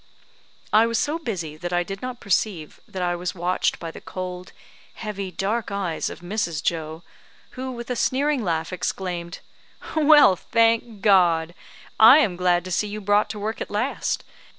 I was so busy that I did not perceive that I was watched by the cold, heavy, dark eyes of Mrs. Joe, who, with a sneering laugh, exclaimed "Well, thank God! I am glad to see you brought to work at last.